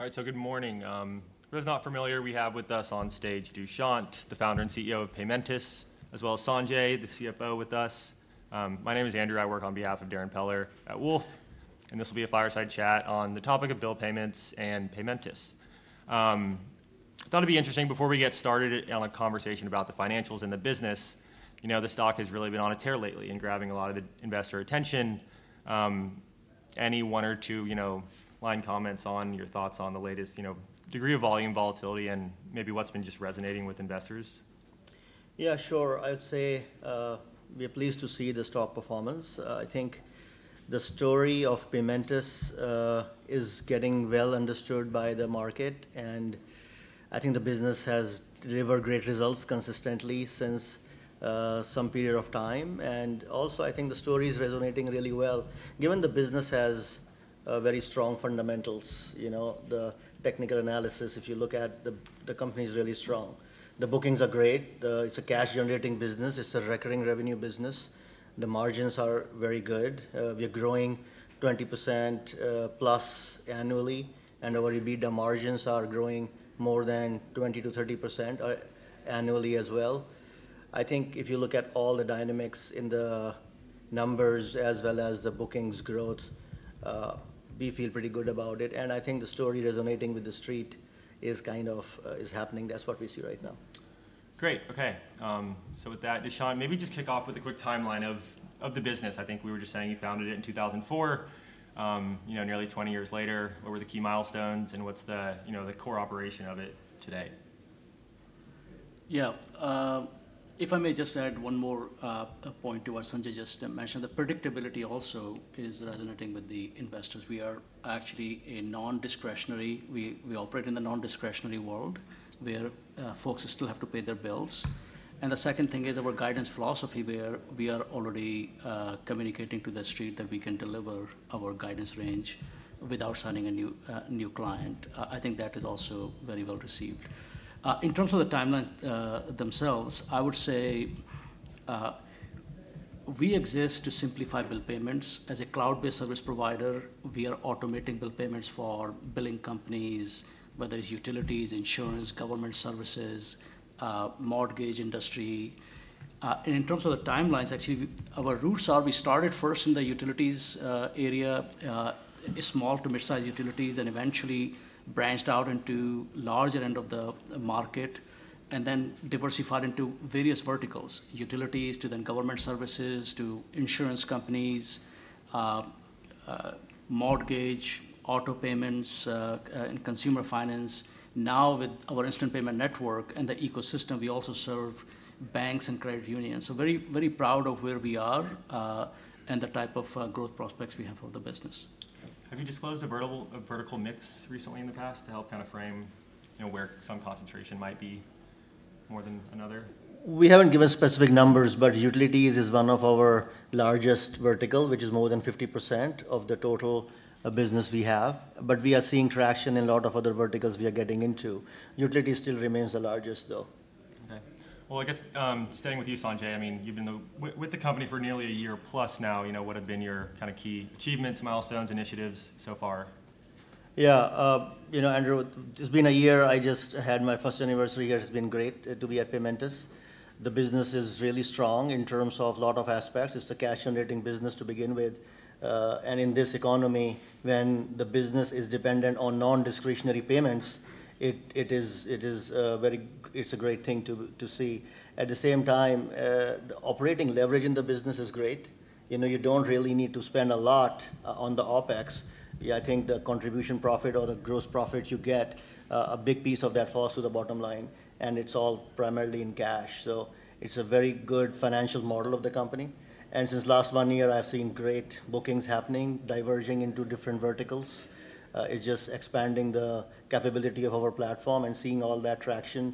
All right, so good morning. For those not familiar, we have with us on stage, Dushyant, the founder and CEO of Paymentus, as well as Sanjay, the CFO with us. My name is Andrew. I work on behalf of Darrin Peller at Wolfe, and this will be a fireside chat on the topic of bill payments and Paymentus. I thought it'd be interesting before we get started on a conversation about the financials and the business, you know, the stock has really been on a tear lately and grabbing a lot of investor attention. Any one or two, you know, line comments on your thoughts on the latest, you know, degree of volume volatility and maybe what's been just resonating with investors? Yeah, sure. I'd say, we are pleased to see the stock performance. I think the story of Paymentus is getting well understood by the market, and I think the business has delivered great results consistently since some period of time. And also, I think the story is resonating really well. Given the business has very strong fundamentals, you know, the technical analysis, if you look at the company, is really strong. The bookings are great. It's a cash-generating business. It's a recurring revenue business. The margins are very good. We are growing +20% annually, and our EBITDA margins are growing more than 20%-30% annually as well. I think if you look at all the dynamics in the numbers as well as the bookings growth, we feel pretty good about it, and I think the story resonating with the street is kind of happening. That's what we see right now. Great. Okay. So with that, Dushyant, maybe just kick off with a quick timeline of the business. I think we were just saying you founded it in 2004. You know, nearly 20 years later, what were the key milestones, and what's the core operation of it today? Yeah. If I may just add one more point to what Sanjay just mentioned, the predictability also is resonating with the investors. We are actually a non-discretionary... We operate in the non-discretionary world, where folks still have to pay their bills. And the second thing is our guidance philosophy, where we are already communicating to the street that we can deliver our guidance range without signing a new client. I think that is also very well received. In terms of the timelines themselves, I would say we exist to simplify bill payments. As a cloud-based service provider, we are automating bill payments for billing companies, whether it's utilities, insurance, government services, mortgage industry. In terms of the timelines, actually, our roots are we started first in the utilities area, small to mid-size utilities, and eventually branched out into larger end of the market, and then diversified into various verticals, utilities to then government services, to insurance companies, mortgage, auto payments, and consumer finance. Now, with our Instant Payment Network and the ecosystem, we also serve banks and credit unions. So very, very proud of where we are, and the type of growth prospects we have for the business. Have you disclosed a vertical, a vertical mix recently in the past to help kind of frame, you know, where some concentration might be more than another? We haven't given specific numbers, but utilities is one of our largest vertical, which is more than 50% of the total business we have, but we are seeing traction in a lot of other verticals we are getting into. Utilities still remains the largest, though. Okay. Well, I guess, staying with you, Sanjay, I mean, you've been with the company for nearly a year plus now, you know, what have been your kind of key achievements, milestones, initiatives so far? Yeah, you know, Andrew, it's been a year. I just had my first anniversary here. It's been great to be at Paymentus. The business is really strong in terms of lot of aspects. It's a cash-generating business to begin with, and in this economy, when the business is dependent on non-discretionary payments, it is very. It's a great thing to see. At the same time, the operating leverage in the business is great. You know, you don't really need to spend a lot on the OpEx. Yeah, I think the contribution profit or the gross profit, you get, a big piece of that falls to the bottom line, and it's all primarily in cash. So it's a very good financial model of the company. And since last one year, I've seen great bookings happening, diverging into different verticals. It's just expanding the capability of our platform and seeing all that traction,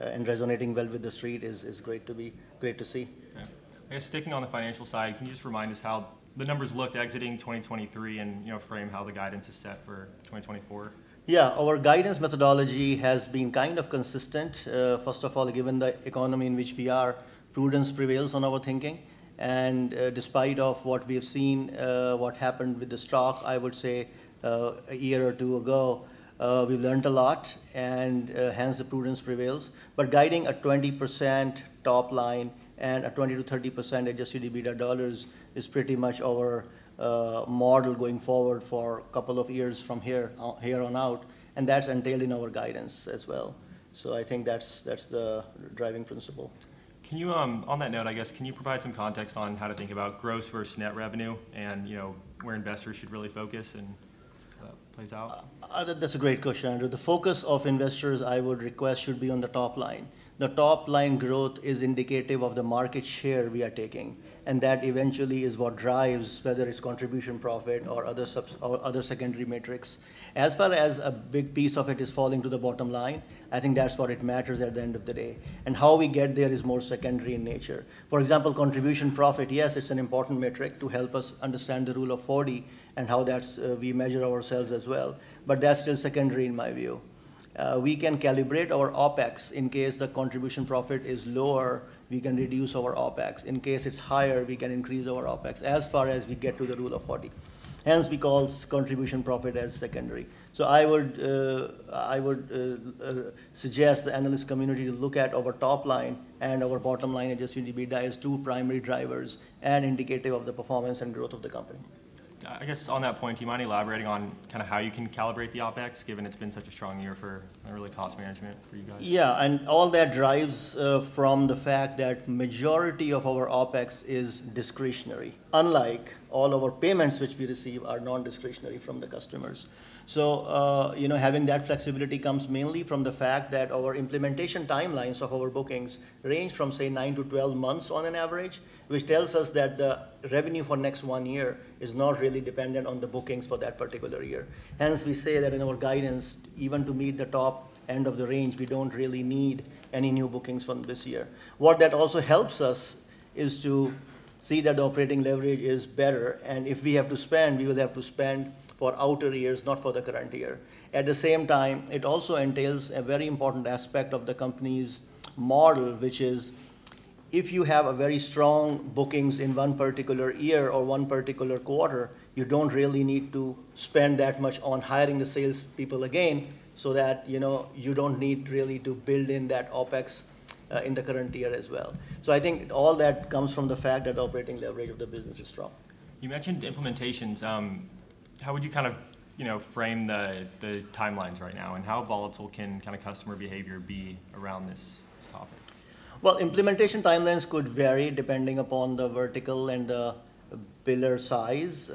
and resonating well with the street is great to see. Yeah. I guess, sticking on the financial side, can you just remind us how the numbers looked exiting 2023 and, you know, frame how the guidance is set for 2024? Yeah. Our guidance methodology has been kind of consistent. First of all, given the economy in which we are, prudence prevails on our thinking, and, despite of what we have seen, what happened with the stock, I would say, a year or two ago, we've learned a lot and, hence the prudence prevails. But guiding a 20% top line and a 20%-30% adjusted EBITDA dollars is pretty much our model going forward for a couple of years from here, here on out, and that's entailed in our guidance as well. So I think that's, that's the driving principle. On that note, I guess, can you provide some context on how to think about gross versus net revenue and, you know, where investors should really focus and that plays out? That's a great question, Andrew. The focus of investors, I would request, should be on the top line. The top-line growth is indicative of the market share we are taking, and that eventually is what drives whether it's contribution profit or other subs-- or other secondary metrics, as well as a big piece of it is falling to the bottom line. I think that's what it matters at the end of the day, and how we get there is more secondary in nature. For example, contribution profit, yes, it's an important metric to help us understand the Rule of 40 and how that's, we measure ourselves as well, but that's still secondary in my view. We can calibrate our OpEx in case the contribution profit is lower, we can reduce our OpEx. In case it's higher, we can increase our OpEx as far as we get to the Rule of 40. Hence, we call contribution profit as secondary. So I would suggest the analyst community to look at our top line and our bottom line as EBITDA's two primary drivers and indicative of the performance and growth of the company. I guess on that point, do you mind elaborating on kinda how you can calibrate the OpEx, given it's been such a strong year for really cost management for you guys? Yeah, and all that drives from the fact that majority of our OpEx is discretionary. Unlike all our payments, which we receive, are non-discretionary from the customers. So, you know, having that flexibility comes mainly from the fact that our implementation timelines of our bookings range from, say, 9-12 months on an average, which tells us that the revenue for next one year is not really dependent on the bookings for that particular year. Hence, we say that in our guidance, even to meet the top end of the range, we don't really need any new bookings from this year. What that also helps us is to see that operating leverage is better, and if we have to spend, we will have to spend for outer years, not for the current year. At the same time, it also entails a very important aspect of the company's model, which is if you have a very strong bookings in one particular year or one particular quarter, you don't really need to spend that much on hiring the sales people again, so that, you know, you don't need really to build in that OpEx, in the current year as well. So I think all that comes from the fact that operating leverage of the business is strong. You mentioned implementations. How would you kind of, you know, frame the timelines right now, and how volatile can kinda customer behavior be around this topic? Well, implementation timelines could vary depending upon the vertical and biller size.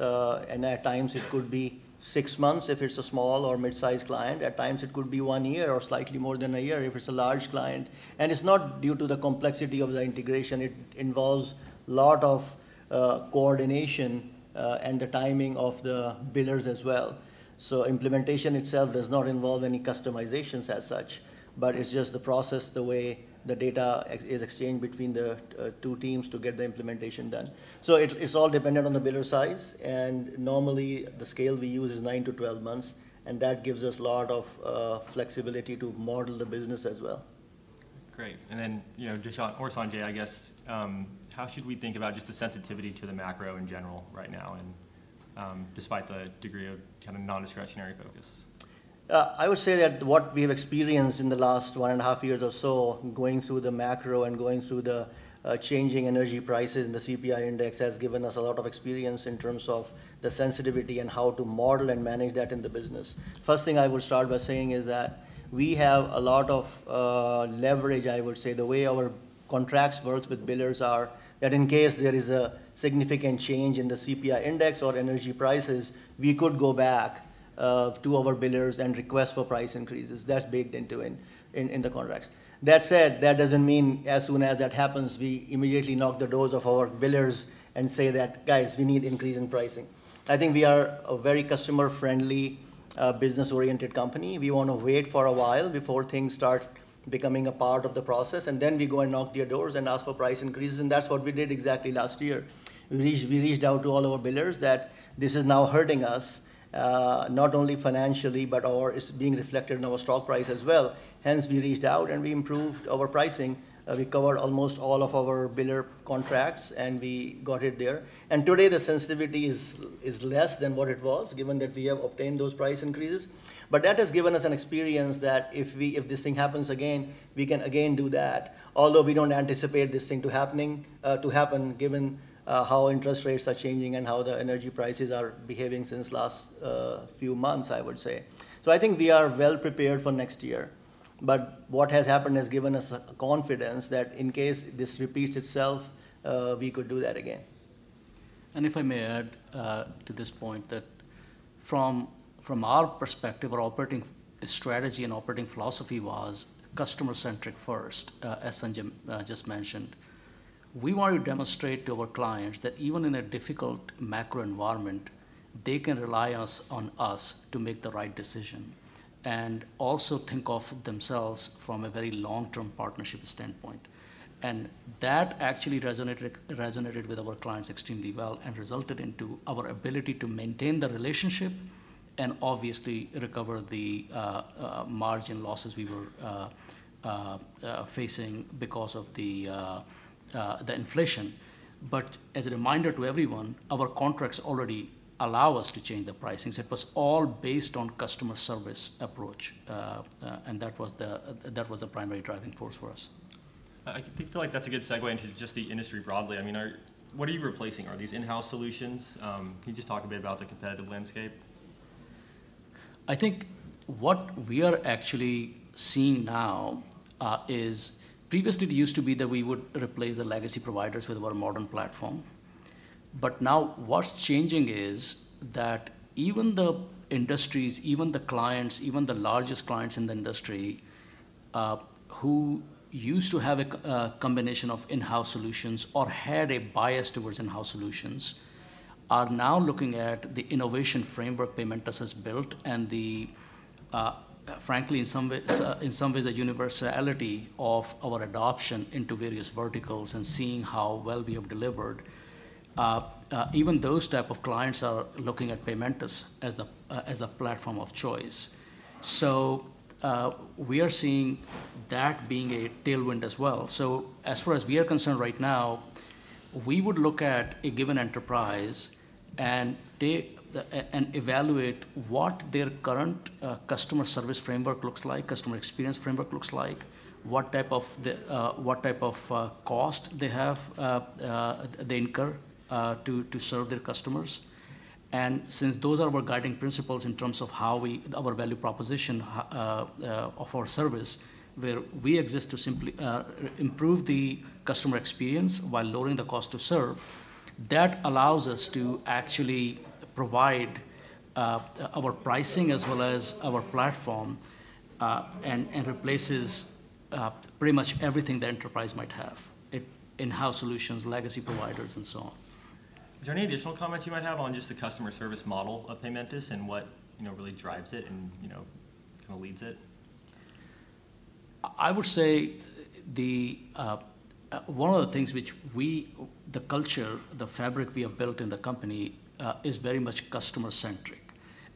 And at times it could be six months if it's a small or mid-sized client. At times it could be one year or slightly more than a year if it's a large client. And it's not due to the complexity of the integration. It involves a lot of coordination and the timing of the billers as well. So implementation itself does not involve any customizations as such, but it's just the process, the way the data is exchanged between the two teams to get the implementation done. So it's all dependent on the biller size, and normally, the scale we use is 9-12 months, and that gives us a lot of flexibility to model the business as well. Great. And then, you know, Dushyant or Sanjay, I guess, how should we think about just the sensitivity to the macro in general right now, and despite the degree of kind of non-discretionary focus? I would say that what we've experienced in the last one and a half years or so, going through the macro and going through the changing energy prices and the CPI index, has given us a lot of experience in terms of the sensitivity and how to model and manage that in the business. First thing I will start by saying is that we have a lot of leverage, I would say. The way our contracts works with billers are that in case there is a significant change in the CPI index or energy prices, we could go back to our billers and request for price increases. That's baked into the contracts. That said, that doesn't mean as soon as that happens, we immediately knock the doors of our billers and say that, "Guys, we need increase in pricing." I think we are a very customer-friendly, business-oriented company. We want to wait for a while before things start becoming a part of the process, and then we go and knock their doors and ask for price increases, and that's what we did exactly last year. We reached out to all our billers that this is now hurting us, not only financially, but it's being reflected in our stock price as well. Hence, we reached out, and we improved our pricing. We covered almost all of our biller contracts, and we got it there. And today, the sensitivity is less than what it was, given that we have obtained those price increases. But that has given us an experience that if this thing happens again, we can again do that, although we don't anticipate this thing to happening, to happen, given how interest rates are changing and how the energy prices are behaving since last few months, I would say. So I think we are well prepared for next year, but what has happened has given us confidence that in case this repeats itself, we could do that again. And if I may add, to this point, that from our perspective, our operating strategy and operating philosophy was customer-centric first, as Sanjay just mentioned. We want to demonstrate to our clients that even in a difficult macro environment, they can rely on us to make the right decision and also think of themselves from a very long-term partnership standpoint. And that actually resonated with our clients extremely well and resulted into our ability to maintain the relationship and obviously recover the margin losses we were facing because of the inflation. But as a reminder to everyone, our contracts already allow us to change the pricing. So it was all based on customer service approach, and that was the primary driving force for us. I feel like that's a good segue into just the industry broadly. I mean, are—what are you replacing? Are these in-house solutions? Can you just talk a bit about the competitive landscape? I think what we are actually seeing now is previously it used to be that we would replace the legacy providers with our modern platform. But now, what's changing is that even the industries, even the clients, even the largest clients in the industry who used to have a combination of in-house solutions or had a bias towards in-house solutions are now looking at the innovation framework Paymentus has built and the, frankly, in some ways, the universality of our adoption into various verticals and seeing how well we have delivered. Even those type of clients are looking at Paymentus as the platform of choice. So, we are seeing that being a tailwind as well. So as far as we are concerned right now, we would look at a given enterprise and take the... And evaluate what their current customer service framework looks like, customer experience framework looks like, what type of the cost they have, they incur to serve their customers. And since those are our guiding principles in terms of how we our value proposition of our service, where we exist to simply improve the customer experience while lowering the cost to serve, that allows us to actually provide our pricing as well as our platform and replaces pretty much everything the enterprise might have, in-house solutions, legacy providers, and so on. Is there any additional comments you might have on just the customer service model of Paymentus and what, you know, really drives it and, you know, kinda leads it? I would say the one of the things which we the culture, the fabric we have built in the company is very much customer-centric.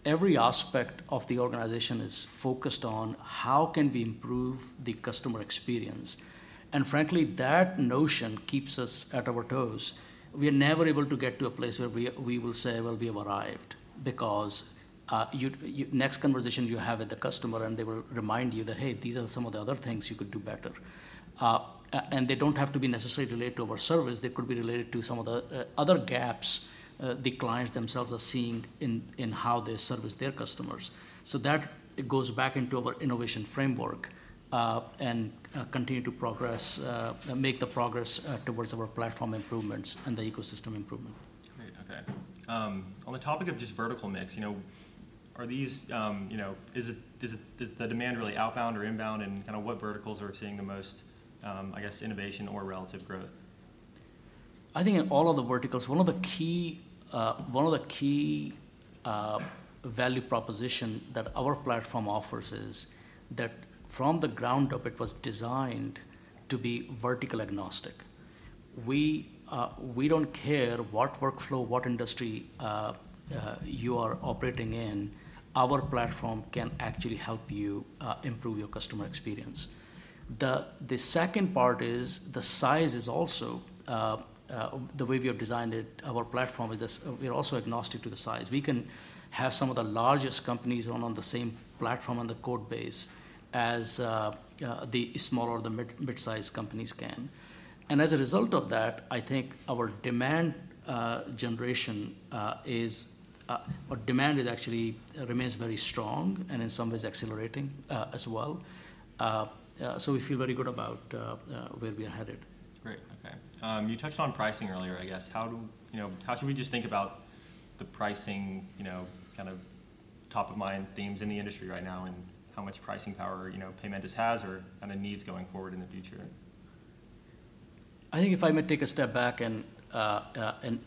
Every aspect of the organization is focused on: How can we improve the customer experience? And frankly, that notion keeps us at our toes. We are never able to get to a place where we will say, "Well, we have arrived," because next conversation you have with the customer, and they will remind you that, "Hey, these are some of the other things you could do better." And they don't have to be necessarily related to our service; they could be related to some of the other gaps the clients themselves are seeing in how they service their customers. So that goes back into our innovation framework, and continue to progress, make the progress toward our platform improvements and the ecosystem improvement. Great. Okay. On the topic of just vertical mix, you know... You know, is it, does it, does the demand really outbound or inbound? And kinda what verticals are seeing the most, I guess, innovation or relative growth? I think in all of the verticals, one of the key value proposition that our platform offers is that from the ground up, it was designed to be vertical agnostic. We don't care what workflow, what industry you are operating in, our platform can actually help you improve your customer experience. The second part is the size is also. The way we have designed it, our platform, is this, we are also agnostic to the size. We can have some of the largest companies on the same platform on the code base as the smaller, the mid-sized companies can. And as a result of that, I think our demand generation is or demand is actually remains very strong and in some ways accelerating as well. So we feel very good about where we are headed. Great, okay. You touched on pricing earlier, I guess. How do... You know, how should we just think about the pricing, you know, kind of top-of-mind themes in the industry right now, and how much pricing power, you know, Paymentus has or kinda needs going forward in the future? I think if I may take a step back and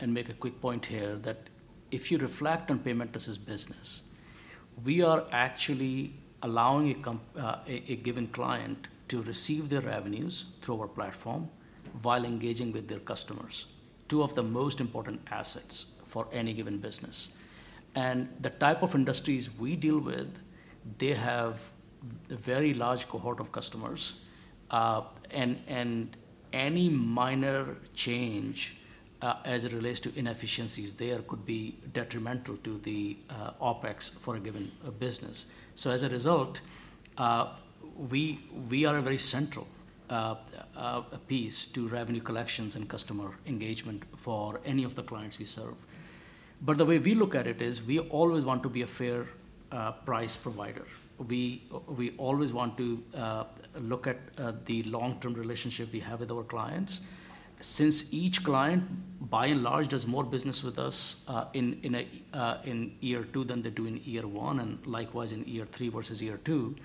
make a quick point here, that if you reflect on Paymentus's business, we are actually allowing a given client to receive their revenues through our platform while engaging with their customers, two of the most important assets for any given business. The type of industries we deal with, they have a very large cohort of customers, and any minor change as it relates to inefficiencies there, could be detrimental to the OpEx for a given business. So as a result, we are a very central piece to revenue collections and customer engagement for any of the clients we serve. But the way we look at it is we always want to be a fair price provider. We, we always want to look at the long-term relationship we have with our clients. Since each client, by and large, does more business with us in year two than they do in year one, and likewise in year three versus year two.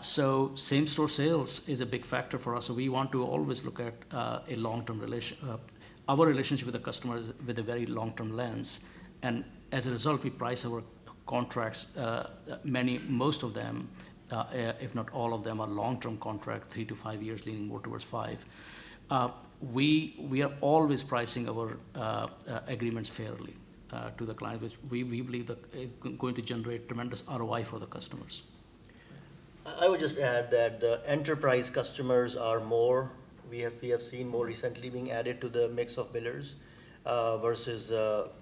So same-store sales is a big factor for us, so we want to always look at our relationship with the customer with a very long-term lens, and as a result, we price our contracts; many, most of them, if not all of them, are long-term contract, three to five years, leaning more towards five. We, we are always pricing our agreements fairly to the client, which we, we believe that it going to generate tremendous ROI for the customers. I would just add that the enterprise customers are more... we have seen more recently being added to the mix of billers, versus,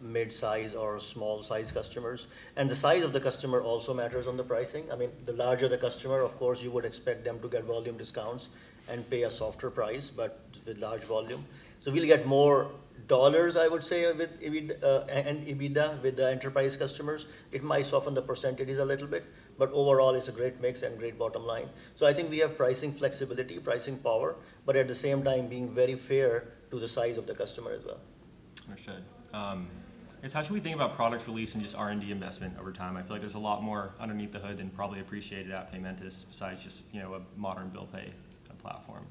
mid-size or small-size customers. And the size of the customer also matters on the pricing. I mean, the larger the customer, of course, you would expect them to get volume discounts and pay a softer price, but with large volume. So we'll get more dollars, I would say, with EBITDA and EBITDA with the enterprise customers. It might soften the percentages a little bit, but overall, it's a great mix and great bottom line. So I think we have pricing flexibility, pricing power, but at the same time, being very fair to the size of the customer as well. Understood. I guess, how should we think about product release and just R&D investment over time? I feel like there's a lot more underneath the hood than probably appreciated at Paymentus, besides just, you know, a modern bill pay platform.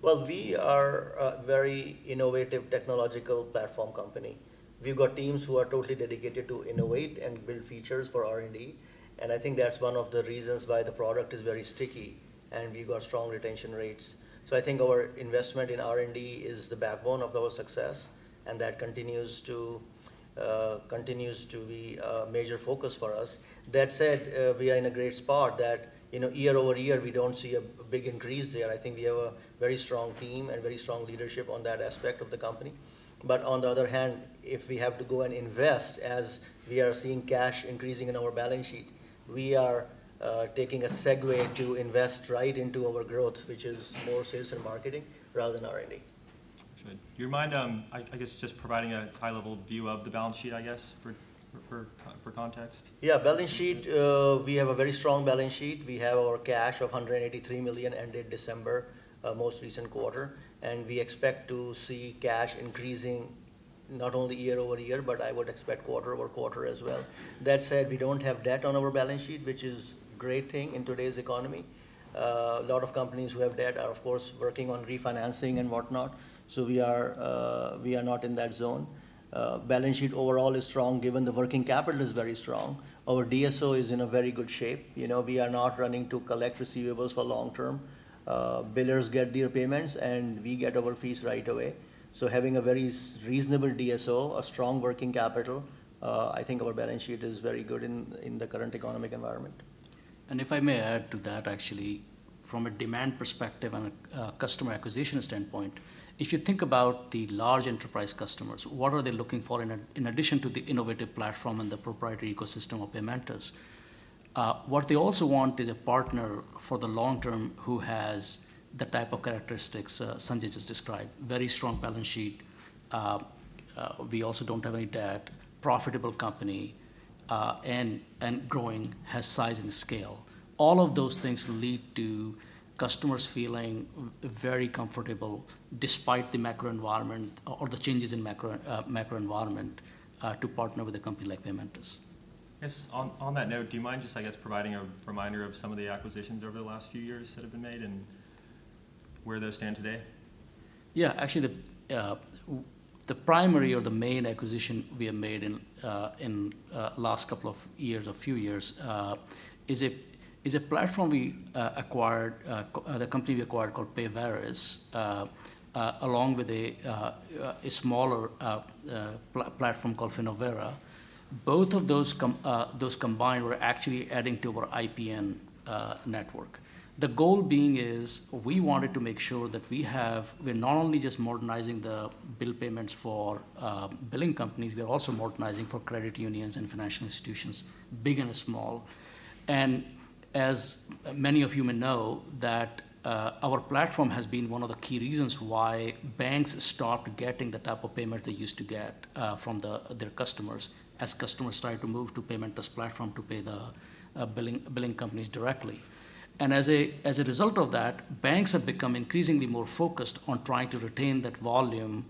Well, we are a very innovative technological platform company. We've got teams who are totally dedicated to innovate and build features for R&D, and I think that's one of the reasons why the product is very sticky, and we've got strong retention rates. So I think our investment in R&D is the backbone of our success, and that continues to, continues to be a major focus for us. That said, we are in a great spot that, you know, year over year, we don't see a, a big increase there. I think we have a very strong team and very strong leadership on that aspect of the company. But on the other hand, if we have to go and invest as we are seeing cash increasing in our balance sheet, we are taking a segue to invest right into our growth, which is more sales and marketing rather than R&D. Excellent. Do you mind, I guess, just providing a high-level view of the balance sheet, I guess, for context? Yeah, balance sheet, we have a very strong balance sheet. We have our cash of $183 million ended December, most recent quarter, and we expect to see cash increasing not only year-over-year, but I would expect quarter-over-quarter as well. That said, we don't have debt on our balance sheet, which is great thing in today's economy. A lot of companies who have debt are, of course, working on refinancing and whatnot, so we are, we are not in that zone. Balance sheet overall is strong, given the working capital is very strong. Our DSO is in a very good shape. You know, we are not running to collect receivables for long term. Billers get their payments, and we get our fees right away. So having a very reasonable DSO, a strong working capital, I think our balance sheet is very good in the current economic environment. And if I may add to that, actually, from a demand perspective and a customer acquisition standpoint, if you think about the large enterprise customers, what are they looking for in addition to the innovative platform and the proprietary ecosystem of Paymentus? What they also want is a partner for the long term who has the type of characteristics Sanjay just described, very strong balance sheet. We also don't have any debt, profitable company, and growing, has size and scale. All of those things lead to customers feeling very comfortable despite the macro environment or the changes in macro environment to partner with a company like Paymentus. Yes. On, on that note, do you mind just, I guess, providing a reminder of some of the acquisitions over the last few years that have been made and where those stand today? Yeah, actually, the primary or the main acquisition we have made in the last couple of years or few years is a platform we acquired, the company we acquired called Payveris, along with a smaller platform called Finovera. Both of those combined were actually adding to our IPN network. The goal being is we wanted to make sure that we have... We're not only just modernizing the bill payments for billing companies, we are also modernizing for credit unions and financial institutions, big and small. And as many of you may know, that our platform has been one of the key reasons why banks stopped getting the type of payment they used to get from their customers, as customers started to move to Paymentus platform to pay the billing companies directly. And as a result of that, banks have become increasingly more focused on trying to retain that volume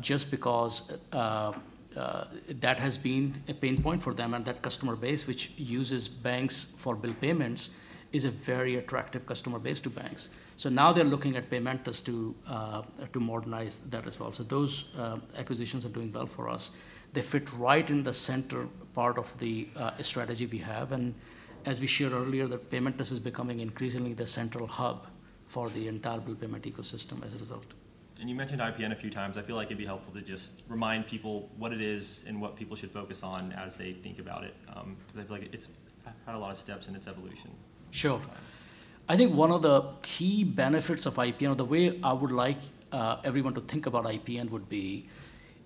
just because that has been a pain point for them. And that customer base, which uses banks for bill payments, is a very attractive customer base to banks. So now they're looking at Paymentus to modernize that as well. So those acquisitions are doing well for us. They fit right in the center part of the strategy we have. As we shared earlier, that Paymentus is becoming increasingly the central hub for the entire bill payment ecosystem as a result. You mentioned IPN a few times. I feel like it'd be helpful to just remind people what it is and what people should focus on as they think about it, 'cause I feel like it's had a lot of steps in its evolution. Sure. I think one of the key benefits of IPN, or the way I would like everyone to think about IPN, would be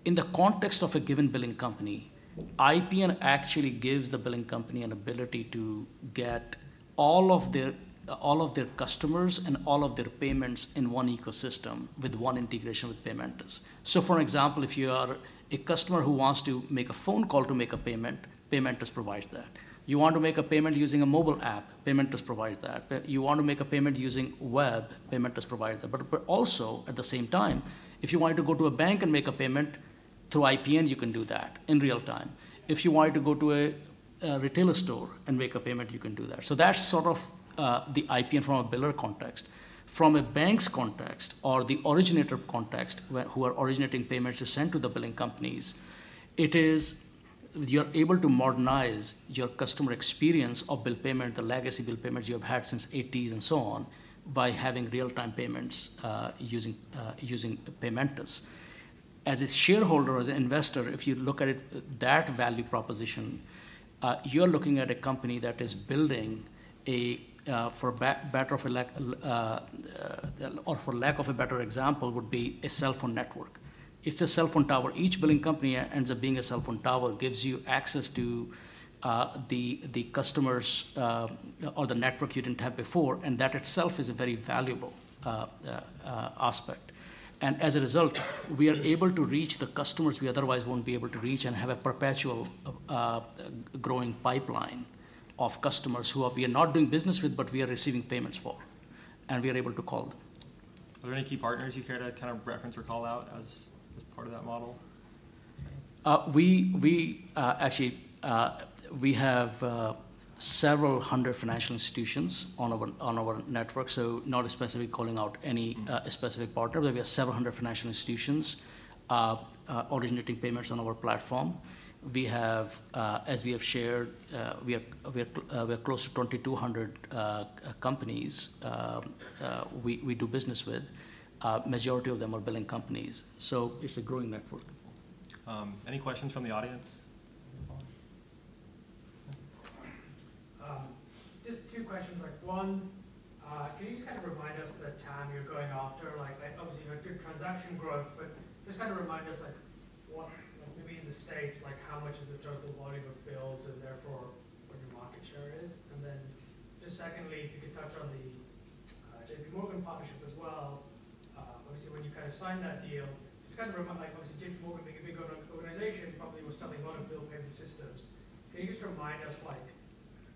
in the context of a given billing company. IPN actually gives the billing company an ability to get all of their, all of their customers and all of their payments in one ecosystem with one integration with Paymentus. So, for example, if you are a customer who wants to make a phone call to make a payment, Paymentus provides that. You want to make a payment using a mobile app, Paymentus provides that. You want to make a payment using web, Paymentus provides that. But also, at the same time, if you wanted to go to a bank and make a payment through IPN, you can do that in real time. If you wanted to go to a retailer store and make a payment, you can do that. So that's sort of the IPN from a biller context. From a bank's context or the originator context, who are originating payments to send to the billing companies, it is... You're able to modernize your customer experience of bill payment, the legacy bill payments you have had since '80s and so on, by having real-time payments, using Paymentus. As a shareholder, as an investor, if you look at it, that value proposition, you're looking at a company that is building a, for lack of a better example, would be a cell phone network. It's a cell phone tower. Each billing company ends up being a cell phone tower, gives you access to the customers or the network you didn't have before, and that itself is a very valuable aspect. And as a result, we are able to reach the customers we otherwise won't be able to reach and have a perpetual growing pipeline of customers who we are not doing business with, but we are receiving payments for, and we are able to call them. Are there any key partners you care to kind of reference or call out as part of that model?... We actually have several hundred financial institutions on our network, so not specifically calling out any specific partner. But we have several hundred financial institutions originating payments on our platform. We have, as we have shared, we are close to 2,200 companies we do business with. Majority of them are billing companies, so it's a growing network. Any questions from the audience? Just two questions. Like, one, can you just kind of remind us the TAM you're going after? Like, obviously, you have good transaction growth, but just kind of remind us, like, what, maybe in the States, like how much is the total volume of bills and therefore what your market share is? And then just secondly, if you could touch on the JPMorgan partnership as well. Obviously, when you kind of signed that deal, just kind of remind, like, obviously, JPMorgan, being a big organization, probably was selling a lot of bill payment systems. Can you just remind us, like,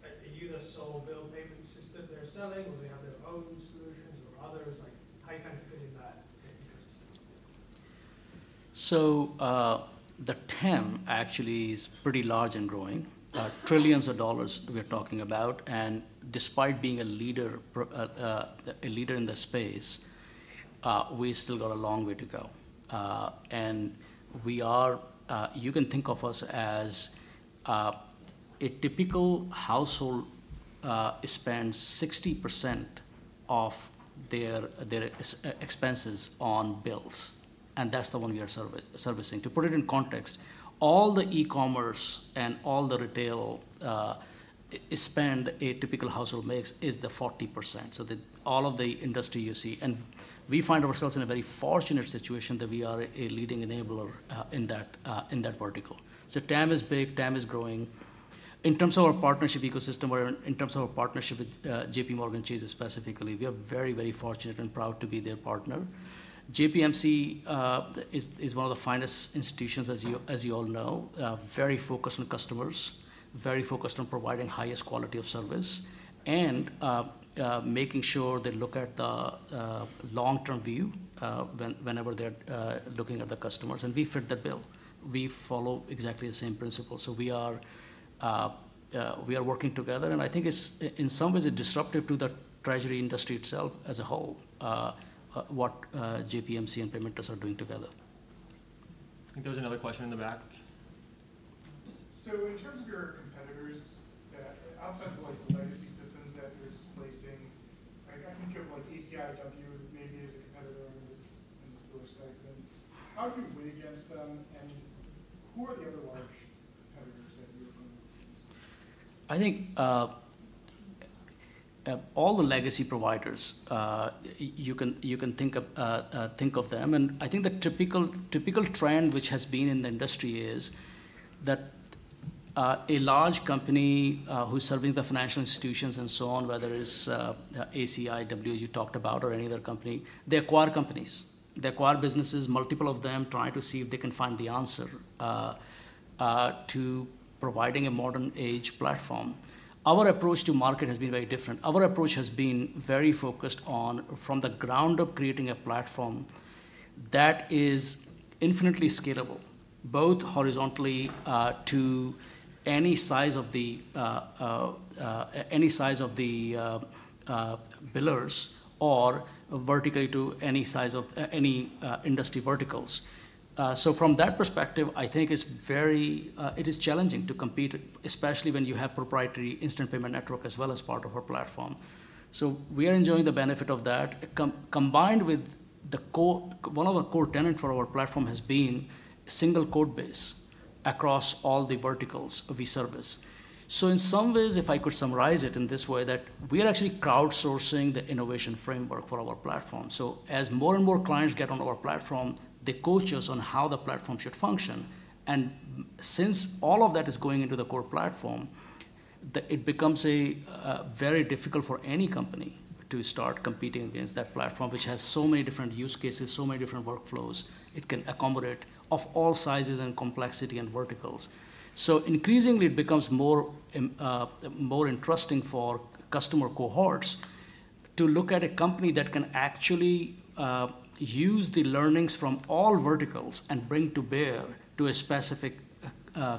are you the sole bill payment system they're selling, or they have their own solutions or others? Like, how you kind of fit in that ecosystem? So, the TAM actually is pretty large and growing. Trillions of dollars we are talking about, and despite being a leader in the space, we've still got a long way to go. You can think of us as a typical household spends 60% of their expenses on bills, and that's the one we are servicing. To put it in context, all the e-commerce and all the retail spend a typical household makes is the 40%, so all of the industry you see. And we find ourselves in a very fortunate situation that we are a leading enabler in that vertical. So TAM is big, TAM is growing. In terms of our partnership ecosystem, we're in terms of our partnership with JPMorgan Chase specifically, we are very, very fortunate and proud to be their partner. JPMC is one of the finest institutions, as you all know. Very focused on customers, very focused on providing highest quality of service, and making sure they look at the long-term view, whenever they're looking at the customers. And we fit that bill. We follow exactly the same principles. So we are working together, and I think it's, in some ways, disruptive to the treasury industry itself as a whole, what JPMC and Paymentus are doing together. I think there was another question in the back. So in terms of your competitors, outside of, like, the legacy systems that you're displacing, like, I think of, like, ACIW maybe as a competitor in this, in this bill segment. How do you win against them, and who are the other large competitors that you're competing against? I think all the legacy providers you can think of, think of them. I think the typical trend which has been in the industry is that a large company who's serving the financial institutions and so on, whether it is ACIW you talked about, or any other company, they acquire companies. They acquire businesses, multiple of them, trying to see if they can find the answer to providing a modern-age platform. Our approach to market has been very different. Our approach has been very focused on from the ground up creating a platform that is infinitely scalable, both horizontally to any size of the billers or vertically to any size of any industry verticals. So from that perspective, I think it's very, it is challenging to compete, especially when you have proprietary Instant Payment Network as well as part of our platform. So we are enjoying the benefit of that. Combined with the core, one of our core tenet for our platform has been a single code base across all the verticals we service. So in some ways, if I could summarize it in this way, that we are actually crowdsourcing the innovation framework for our platform. So as more and more clients get on our platform, they coach us on how the platform should function. And since all of that is going into the core platform, the, it becomes a very difficult for any company to start competing against that platform, which has so many different use cases, so many different workflows. It can accommodate of all sizes and complexity and verticals. So increasingly, it becomes more interesting for customer cohorts to look at a company that can actually use the learnings from all verticals and bring to bear to a specific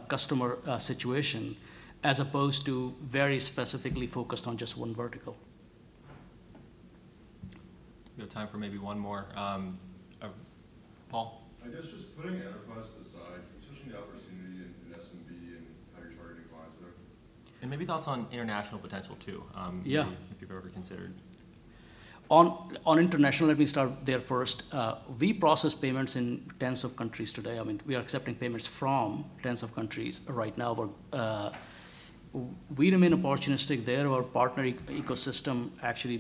customer situation, as opposed to very specifically focused on just one vertical. We have time for maybe one more. Paul? I guess just putting enterprise aside, potentially the opportunity in SMB and how you're targeting clients there. Maybe thoughts on international potential too- Yeah.... if you've ever considered. On international, let me start there first. We process payments in tens of countries today. I mean, we are accepting payments from tens of countries right now. But, we remain opportunistic there. Our partner ecosystem, actually,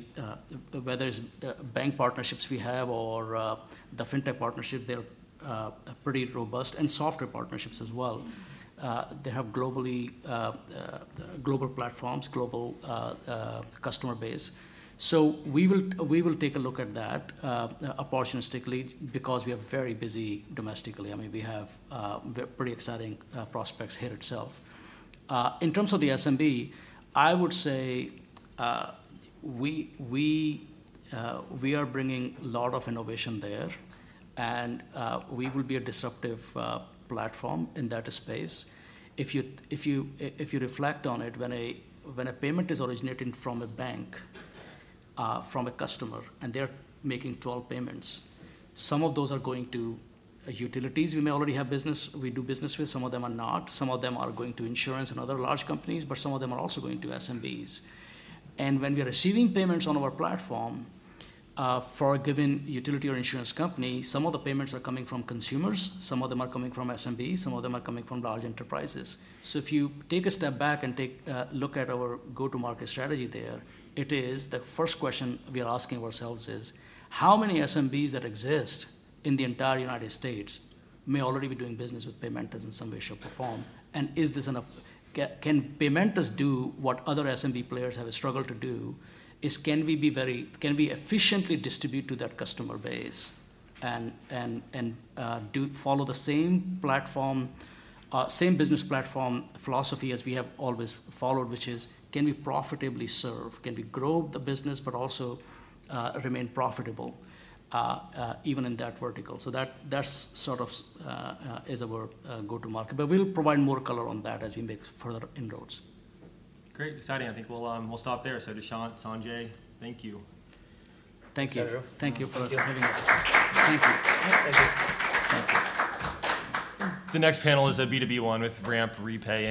whether it's, bank partnerships we have or, the fintech partnerships, they're, pretty robust, and software partnerships as well. They have globally, global platforms, global, customer base. So we will, we will take a look at that, opportunistically, because we are very busy domestically. I mean, we have, pretty exciting, prospects here itself. In terms of the SMB, I would say, we, we, we are bringing a lot of innovation there, and, we will be a disruptive, platform in that space. If you reflect on it, when a payment is originating from a bank from a customer, and they're making 12 payments, some of those are going to utilities we may already have business. We do business with. Some of them are not. Some of them are going to insurance and other large companies, but some of them are also going to SMBs. When we are receiving payments on our platform for a given utility or insurance company, some of the payments are coming from consumers, some of them are coming from SMBs, some of them are coming from large enterprises. So if you take a step back and take a look at our go-to-market strategy there, it is... The first question we are asking ourselves is: How many SMBs that exist in the entire United States may already be doing business with Paymentus in some way, shape, or form? And is this enough? Can Paymentus do what other SMB players have struggled to do? Can we efficiently distribute to that customer base and do follow the same platform, same business platform philosophy as we have always followed, which is, can we profitably serve? Can we grow the business but also remain profitable even in that vertical? So that's sort of our go-to-market. But we'll provide more color on that as we make further inroads. Great. Exciting. I think we'll, we'll stop there. So Dushyant, Sanjay, thank you. Thank you. Thank you. Thank you for having us. Thank you. Thank you. The next panel is a B2B one with Ramp, Repay, and-